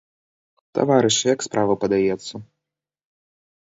Таварышы, як справа падаецца?